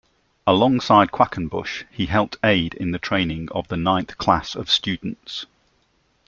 Alongside Quackenbush, he helped aid in the training of the ninth class of students.